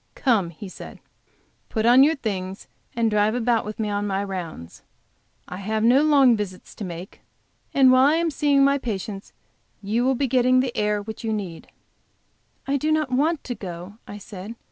"Come," he said, "put on your things and drive about with me on my rounds. I have no long visits to make, and while I am seeing my patients you will be getting the air, which you need." "I do not want to go," I said.